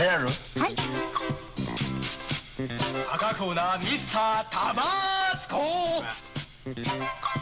・はい・赤コーナーミスタータバスコ！